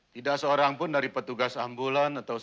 tidak seorang pun dari petugas ambulan atau susten